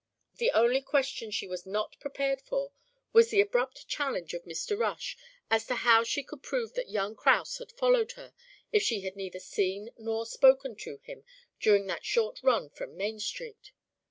The only question she was not prepared for was the abrupt challenge of Mr. Rush as to how she could prove that young Kraus had followed her if she had neither seen nor spoken to him during that short run from Main Street.